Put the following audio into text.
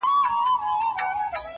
راته يادېږې شپه كړم څنگه تېره!!